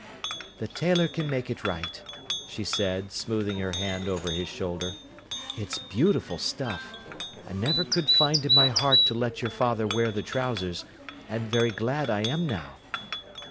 "The tailor can make it right," she said, smoothing her hand over his shoulder. "It's beautiful stuff. I never could find in my heart to let your father wear the trousers, and very glad I am now."